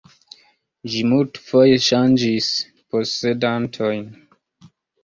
Ĝi multfoje ŝanĝis posedantojn.